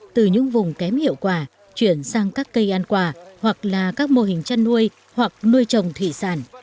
từ những vùng kém hiệu quả chuyển sang các cây ăn quả hoặc là các mô hình chăn nuôi hoặc nuôi trồng thủy sản